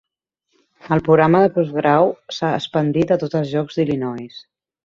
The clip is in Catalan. El programa de postgrau s'ha expandit a tots els llocs d'Illinois.